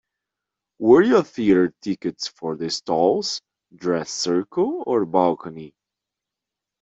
Were your theatre tickets for the stalls, dress circle or balcony?